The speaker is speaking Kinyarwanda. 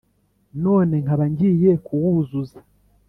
none nkaba ngiye kuwuzuza ?